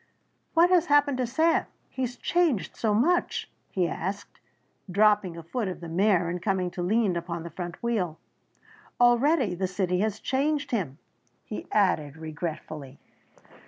"What has happened to Sam he has changed so much?" he asked, dropping a foot of the mare and coming to lean upon the front wheel. "Already the city has changed him," he added regretfully.